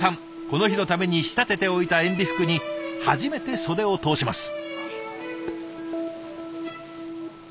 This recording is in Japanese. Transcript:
この日のために仕立てておいたえんび服に初めて袖を通します。